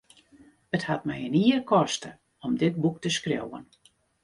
It hat my in jier koste om dit boek te skriuwen.